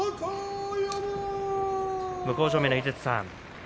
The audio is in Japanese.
向正面の井筒さん